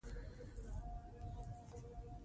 ازادي راډیو د امنیت په اړه د سیمینارونو راپورونه ورکړي.